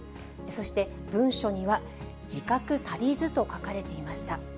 そして、文書には自覚足りずと書かれていました。